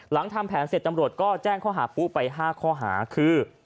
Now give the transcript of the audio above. หลังทำแผนเสร็จตำรวจก็แจ้งข้อหาปุ๊ไป๕ข้อหาคือ